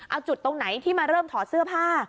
เอาจุดตรงไหนที่มาเริ่มถอดเสื้อผ้า